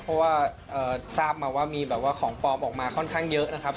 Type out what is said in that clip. เพราะว่าทราบมาว่ามีแบบว่าของปลอมออกมาค่อนข้างเยอะนะครับ